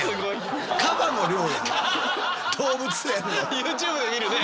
ＹｏｕＴｕｂｅで見るね。